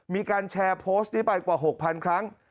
มีการแชร์โพสต์นี้ไปกว่า๖๐๐๐ครั้ง